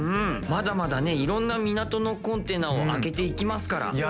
まだまだねいろんな港のコンテナを開けていきますから。